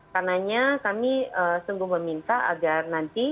karenanya kami sungguh meminta agar nanti